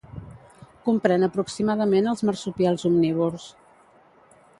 Comprèn aproximadament els marsupials omnívors.